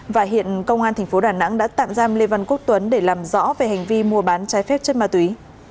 và hiện công an tp đà nẵng đã tạm giam lê văn quốc tuấn để làm rõ về hành vi mua bán trái phép chất ma túy